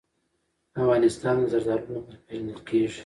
افغانستان د زردالو له مخې پېژندل کېږي.